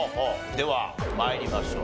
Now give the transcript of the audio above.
では参りましょう。